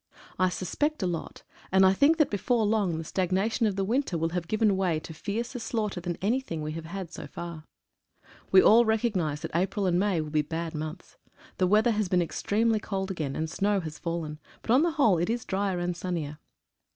I suspect a lot, and I think that before long the stagnation of the winter will have given way to fiercer slaughter than anything we have had so far. We all recognise that April and 45 THE R.A.M.C. May will be bad months. The weather has been ex tremely cold again, and snow has fallen, but on the whole it is drier and sunnier.